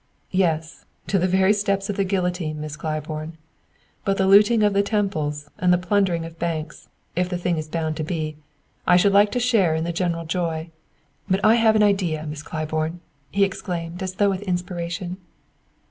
"Yes; to the very steps of the guillotine, Miss Claiborne. But the looting of the temples and the plundering of banks if the thing is bound to be I should like to share in the general joy. But I have an idea, Miss Claiborne," he exclaimed, as though with inspiration.